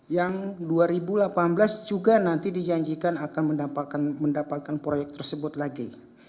yang dua ribu delapan belas juga nanti dijanjikan akan mendapatkan proyek tersebut lagi